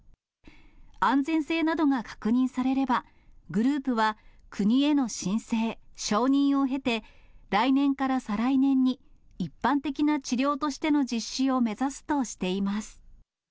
安全性などが確認されれば、グループは国への申請、承認を経て、来年から再来年に、一般的な治療としての実施を目指すとしています。